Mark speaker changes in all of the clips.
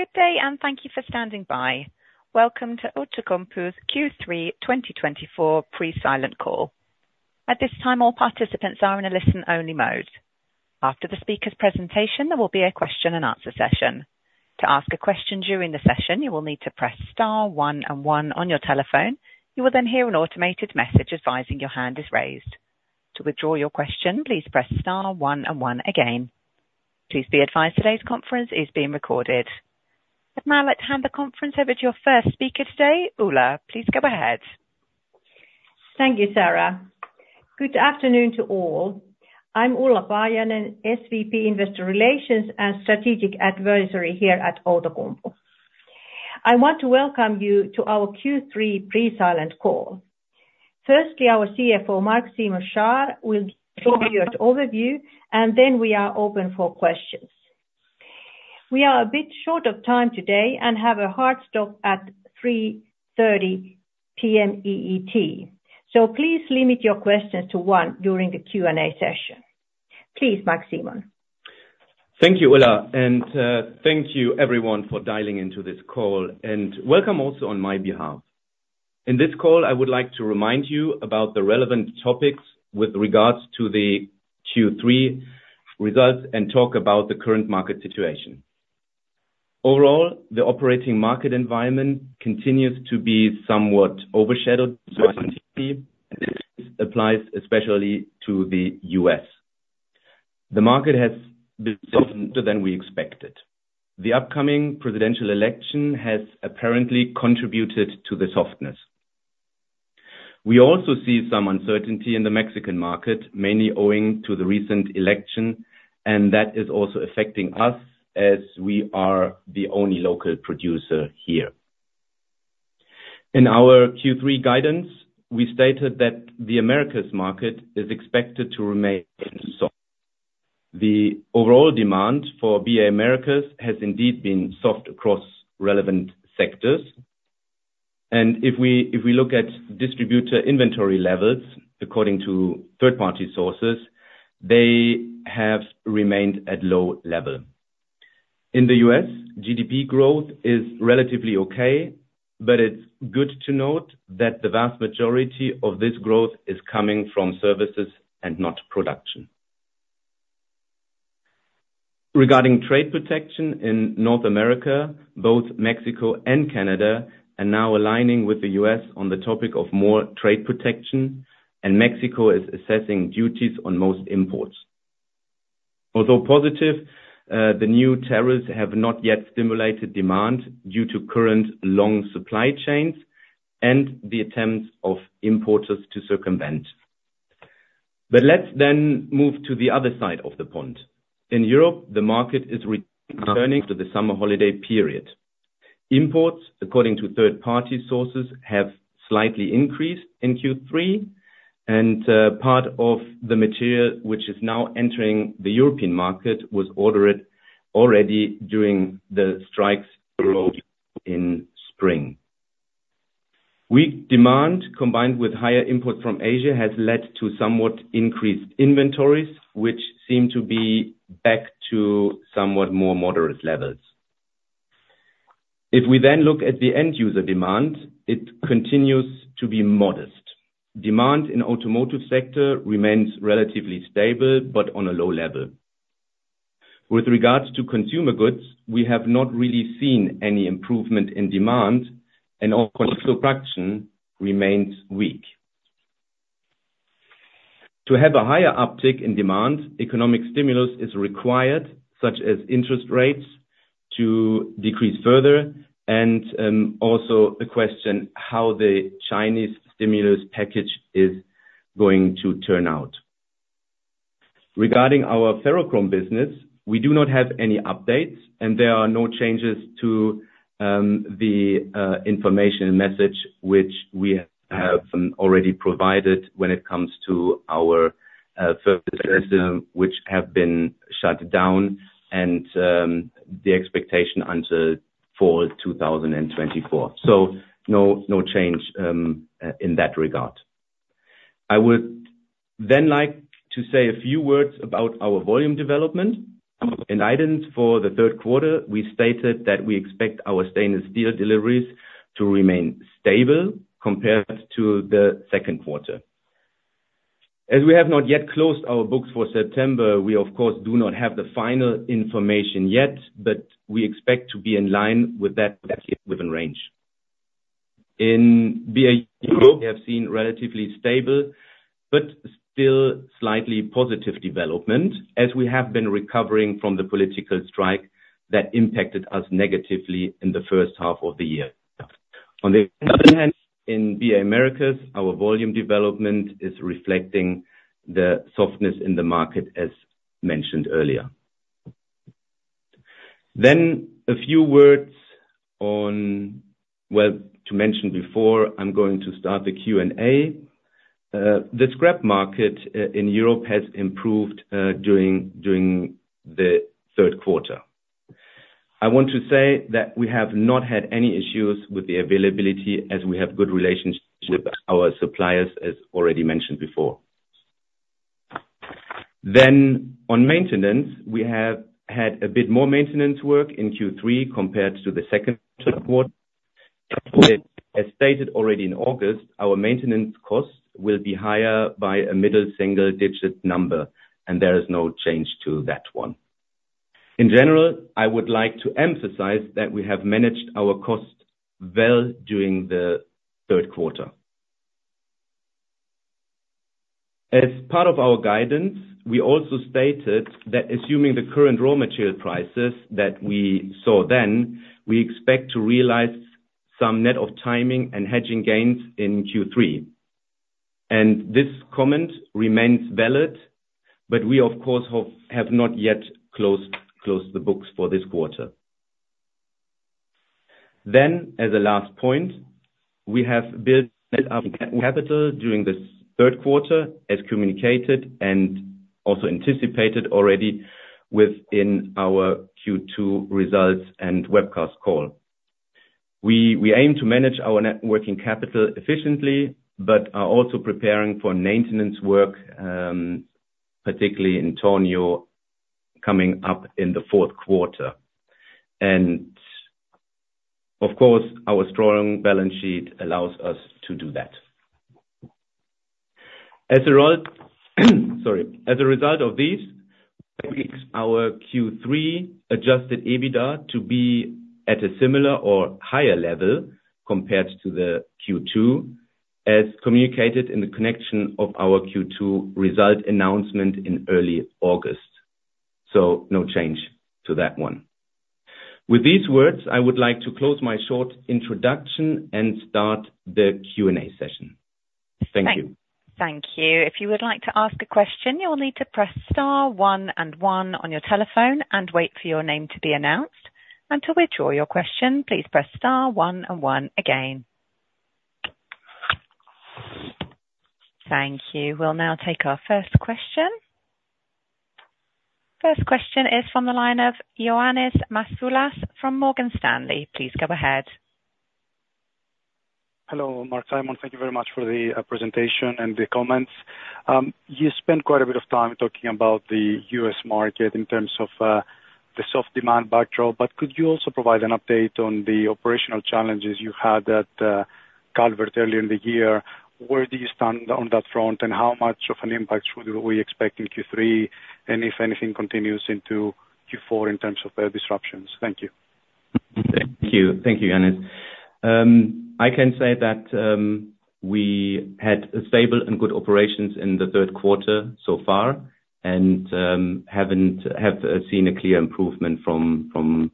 Speaker 1: Good day and thank you for standing by. Welcome to Outokumpu's Q3 2024 pre-silent call. At this time, all participants are in a listen-only mode. After the speaker's presentation, there will be a question-and-answer session. To ask a question during the session, you will need to press star one and one on your telephone. You will then hear an automated message advising your hand is raised. To withdraw your question, please press star one and one again. Please be advised, today's conference is being recorded. I'd now like to hand the conference over to your first speaker today, Ulla. Please go ahead.
Speaker 2: Thank you, Sarah. Good afternoon to all. I'm Ulla Paajanen, SVP, Investor Relations and Strategic Advisory here at Outokumpu. I want to welcome you to our Q3 pre-silent call. Firstly, our CFO, Marc-Simon Schaar, will give you an overview, and then we are open for questions. We are a bit short of time today and have a hard stop at 3:30 P.M. EET. So please limit your questions to one during the Q&A session. Please, Marc-Simon.
Speaker 3: Thank you, Ulla, and thank you everyone for dialing into this call, and welcome also on my behalf. In this call, I would like to remind you about the relevant topics with regards to the Q3 results and talk about the current market situation. Overall, the operating market environment continues to be somewhat overshadowed. Applies especially to the U.S. The market has been softer than we expected. The upcoming presidential election has apparently contributed to the softness. We also see some uncertainty in the Mexican market, mainly owing to the recent election, and that is also affecting us as we are the only local producer here. In our Q3 guidance, we stated that the Americas market is expected to remain soft. The overall demand for BA Americas has indeed been soft across relevant sectors, and if we look at distributor inventory levels, according to third-party sources, they have remained at low level. In the U.S., GDP growth is relatively okay, but it's good to note that the vast majority of this growth is coming from services and not production. Regarding trade protection in North America, both Mexico and Canada are now aligning with the U.S. on the topic of more trade protection, and Mexico is assessing duties on most imports. Although positive, the new tariffs have not yet stimulated demand due to current long supply chains and the attempts of importers to circumvent. But let's then move to the other side of the pond. In Europe, the market is returning to the summer holiday period. Imports, according to third-party sources, have slightly increased in Q3, and part of the material which is now entering the European market was ordered already during the strikes in spring. Weak demand, combined with higher input from Asia, has led to somewhat increased inventories, which seem to be back to somewhat more moderate levels. If we then look at the end user demand, it continues to be modest. Demand in automotive sector remains relatively stable, but on a low level. With regards to consumer goods, we have not really seen any improvement in demand, and also production remains weak. To have a higher uptick in demand, economic stimulus is required, such as interest rates, to decrease further, and also a question how the Chinese stimulus package is going to turn out. Regarding our ferrochrome business, we do not have any updates, and there are no changes to the information message which we have already provided when it comes to our, which have been shut down and the expectation until fall two thousand and twenty-four. So no, no change in that regard. I would then like to say a few words about our volume development. In terms for the third quarter, we stated that we expect our stainless-steel deliveries to remain stable compared to the second quarter. As we have not yet closed our books for September, we of course do not have the final information yet, but we expect to be in line with that, within range. In BA, we have seen relatively stable, but still slightly positive development, as we have been recovering from the political strike that impacted us negatively in the first half of the year. On the other hand, in BA Americas, our volume development is reflecting the softness in the market, as mentioned earlier. Then a few words on... Well, to mention before, I'm going to start the Q&A. The scrap market in Europe has improved during the third quarter. I want to say that we have not had any issues with the availability as we have good relationships with our suppliers, as already mentioned before. Then on maintenance, we have had a bit more maintenance work in Q3 compared to the second quarter. As stated already in August, our maintenance costs will be higher by a middle single digit number, and there is no change to that one. In general, I would like to emphasize that we have managed our costs well during the third quarter. As part of our guidance, we also stated that assuming the current raw material prices that we saw then, we expect to realize some net of timing and hedging gains in Q3. And this comment remains valid, but we of course have not yet closed the books for this quarter. Then, as a last point, we have built up capital during this third quarter, as communicated and also anticipated already within our Q2 results and webcast call. We aim to manage our net working capital efficiently, but are also preparing for maintenance work, particularly in Tornio, coming up in the fourth quarter. And of course, our strong balance sheet allows us to do that. As a result, sorry. As a result of this, our Q3 Adjusted EBITDA to be at a similar or higher level compared to the Q2, as communicated in connection with our Q2 result announcement in early August. So no change to that one. With these words, I would like to close my short introduction and start the Q&A session. Thank you.
Speaker 1: Thank you. If you would like to ask a question, you will need to press star one and one on your telephone and wait for your name to be announced. And to withdraw your question, please press star one and one again. Thank you. We'll now take our first question. First question is from the line of Ioannis Masvoulas from Morgan Stanley. Please go ahead.
Speaker 4: Hello, Marc-Simon, thank you very much for the presentation and the comments. You spent quite a bit of time talking about the U.S. market in terms of the soft demand backdrop, but could you also provide an update on the operational challenges you had at Calvert earlier in the year? Where do you stand on that front, and how much of an impact should we expect in Q3, and if anything, continues into Q4 in terms of the disruptions? Thank you.
Speaker 3: Thank you. Thank you, Ioannis. I can say that we had a stable and good operations in the third quarter so far, and have seen a clear improvement from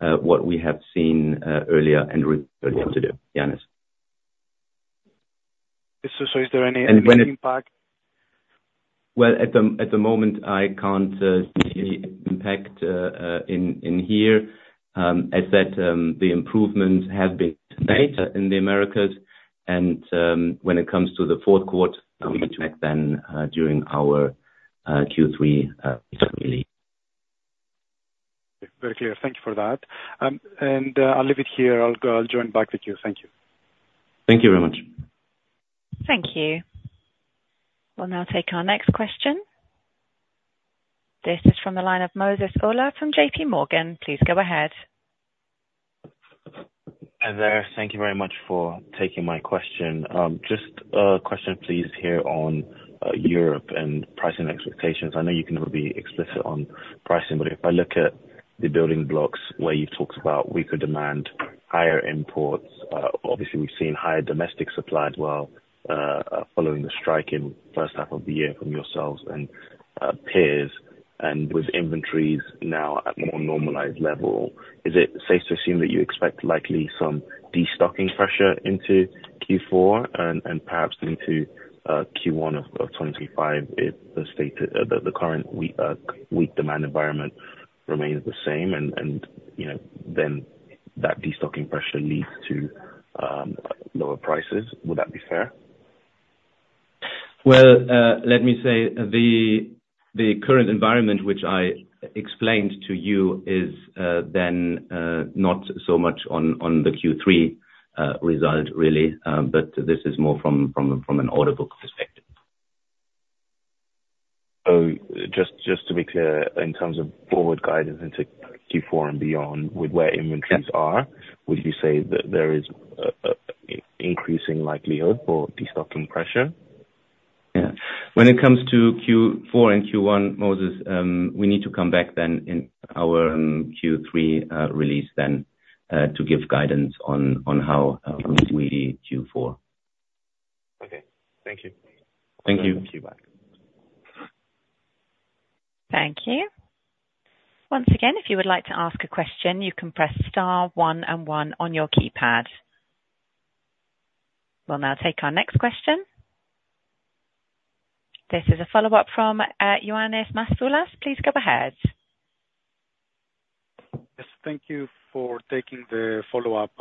Speaker 3: what we have seen earlier and we're going to do, Ioannis.
Speaker 4: Is there any impact?
Speaker 3: At the moment, I can't see any impact in here. As the improvements have been made in the Americas, and when it comes to the fourth quarter, we'll get back then during our Q3 really.
Speaker 4: Very clear. Thank you for that. I'll leave it here. I'll join back with you. Thank you.
Speaker 3: Thank you very much.
Speaker 1: Thank you. We'll now take our next question. This is from the line of Moses Ola from JPMorgan. Please go ahead. =
Speaker 5: Hi there, thank you very much for taking my question. Just a question please, here on Europe and pricing expectations. I know you can never be explicit on pricing, but if I look at the building blocks where you've talked about weaker demand, higher imports, obviously we've seen higher domestic supply as well, following the strike in first half of the year from yourselves and peers. And with inventories now at more normalized level, is it safe to assume that you expect likely some destocking pressure into Q4 and perhaps into Q1 of twenty five, if the current weak demand environment remains the same and you know, then that destocking pressure leads to lower prices? Would that be fair?
Speaker 3: Let me say, the current environment, which I explained to you, is then not so much on the Q3 result really, but this is more from an order book perspective.
Speaker 5: Just to be clear, in terms of forward guidance into Q4 and beyond, with where inventories are, would you say that there is an increasing likelihood for destocking pressure?
Speaker 3: Yeah. When it comes to Q4 and Q1, Moses, we need to come back then in our Q3 release then to give guidance on how we see Q4.
Speaker 5: Okay. Thank you.
Speaker 3: Thank you.
Speaker 5: Thank you, bye.
Speaker 1: Thank you. Once again, if you would like to ask a question, you can press star one and one on your keypad. We'll now take our next question. This is a follow-up from Ioannis Masvoulas. Please go ahead.
Speaker 4: Yes, thank you for taking the follow-up.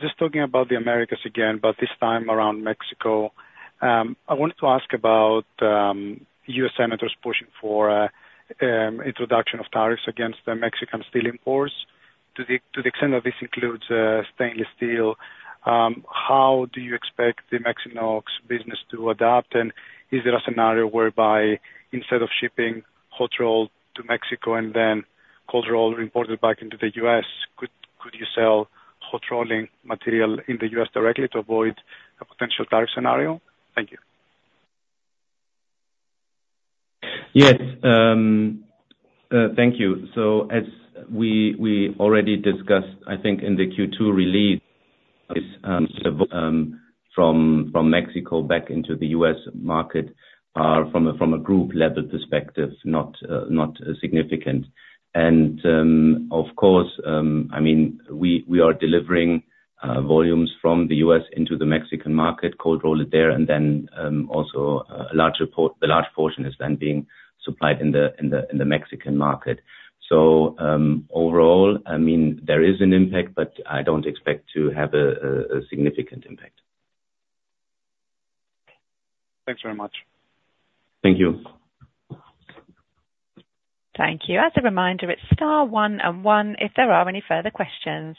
Speaker 4: Just talking about the Americas again, but this time around Mexico. I wanted to ask about U.S. senators pushing for introduction of tariffs against the Mexican steel imports. To the extent that this includes stainless steel, how do you expect the Mexinox business to adapt? And is there a scenario whereby instead of shipping hot roll to Mexico and then cold roll imported back into the U.S., could you sell hot rolling material in the U.S. directly to avoid a potential tariff scenario? Thank you.
Speaker 3: Yes. Thank you. So as we already discussed, I think in the Q2 release, from Mexico back into the US market, are from a group level perspective, not significant. And, of course, I mean, we are delivering volumes from the US into the Mexican market, cold roll it there, and then, also, a large portion is then being supplied in the Mexican market. So, overall, I mean, there is an impact, but I don't expect to have a significant impact.
Speaker 4: Thanks very much.
Speaker 3: Thank you.
Speaker 1: Thank you. As a reminder, it's star one and one, if there are any further questions.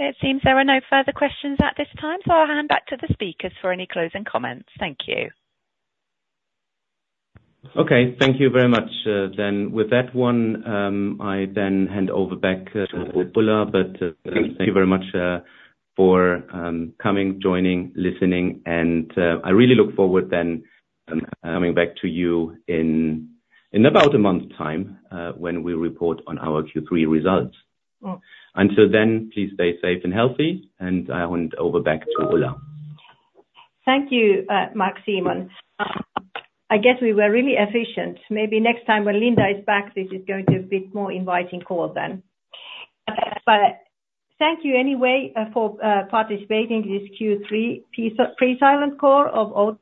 Speaker 1: It seems there are no further questions at this time, so I'll hand back to the speakers for any closing comments. Thank you.
Speaker 3: Okay, thank you very much, then with that one, I then hand over back to Ulla, but thank you very much for coming, joining, listening, and I really look forward then coming back to you in about a month's time, when we report on our Q3 results. Until then, please stay safe and healthy, and I hand over back to Ulla.
Speaker 2: Thank you, Marc-Simon. I guess we were really efficient. Maybe next time when Linda is back, this is going to be more inviting call then. But thank you anyway for participating in this Q3 pre-silent call of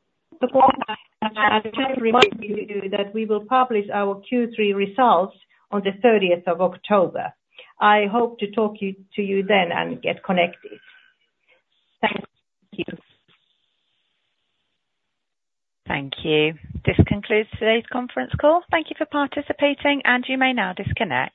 Speaker 2: Outokumpu. Remind you that we will publish our Q3 results on the thirtieth of October. I hope to talk to you then and get connected. Thank you.
Speaker 1: Thank you. This concludes today's conference call. Thank you for participating, and you may now disconnect.